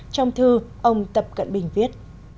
trong thư ông tập cận bình viết